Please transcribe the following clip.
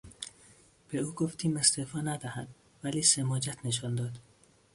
به او گفتیم استعفا ندهد ولی سماجت نشان داد.